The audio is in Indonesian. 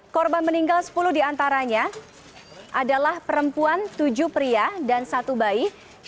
korban meninggal sepuluh diantaranya adalah perempuan tujuh pria dan satu bayi